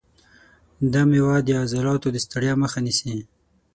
دا مېوه د عضلاتو د ستړیا مخه نیسي.